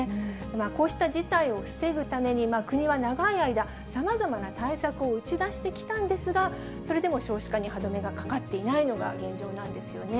こうした事態を防ぐために、国は長い間、さまざまな対策を打ち出してきたんですが、それでも少子化に歯止めがかかっていないのが現状なんですよね。